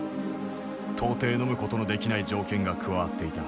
到底のむことのできない条件が加わっていた。